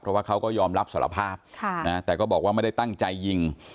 เพราะว่าเขาก็ยอมรับสารภาพแต่ก็บอกว่าไม่ได้ตั้งใจยิง